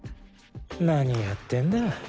なにやってんだ。